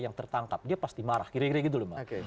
yang tertangkap dia pasti marah kira kira gitu loh mas